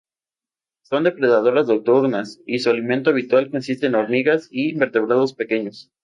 Son depredadoras nocturnas, y su alimento habitual consiste en hormigas y vertebrados pequeños.